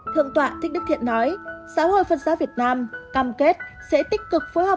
thượng tọa thích đức thiện nói xã hội phật giáo việt nam cam kết sẽ tích cực phối hợp